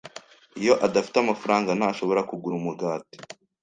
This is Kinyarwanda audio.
Iyo adafite amafaranga, ntashobora kugura umugati.